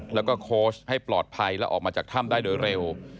แล้วก็โค้ชให้ปลอดภัยและออกมาจากถ้ำได้โดยเร็ว